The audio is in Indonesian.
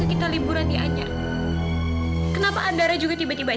kapan yang jawab